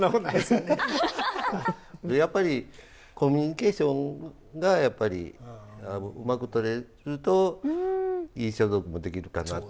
やっぱりコミュニケーションがやっぱりうまくとれるといい装束も出来るかなと思いますので。